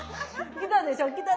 きたでしょ？